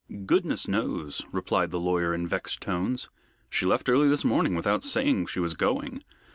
"Goodness knows," replied the lawyer in vexed tones. "She left early this morning without saying she was going.